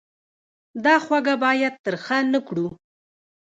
دا خوږه باید تریخه نه کړو.